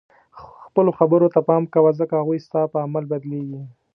خپلو خبرو ته پام کوه ځکه هغوی ستا په عمل بدلیږي.